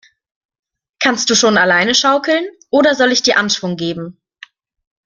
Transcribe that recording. Kannst du schon alleine schaukeln, oder soll ich dir Anschwung geben?